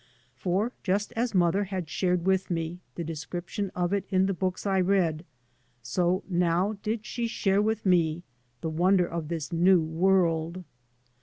For just as mother had shared with me the description of it in the books I read, so now did she share with me the wonder, of this new world.